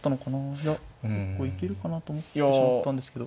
いや結構行けるかなと思ってしまったんですけど。